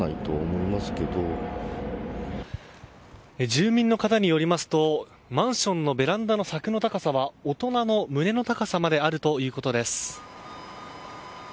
住民の方によりますとマンションのベランダの柵は大人の胸の高さまであるということです。